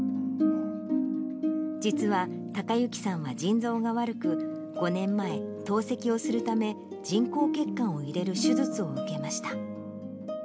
実は孝之さんは腎臓が悪く、５年前、透析をするため、人工血管を入れる手術を受けました。